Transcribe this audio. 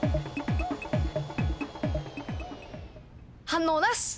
反応なし！